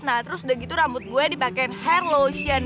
nah terus udah gitu rambut gue dipakaiin hair lotion